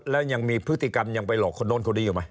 แล้วยังมีพฤติกรรมยังไปหลอกคนโน้นคนนี้อยู่ไหม